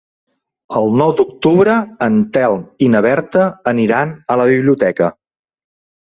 El nou d'octubre en Telm i na Berta aniran a la biblioteca.